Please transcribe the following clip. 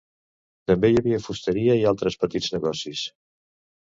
També hi havia fusteria i altres petits negocis.